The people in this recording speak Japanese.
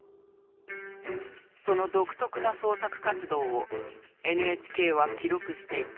その独特な創作活動をＮＨＫは記録していた。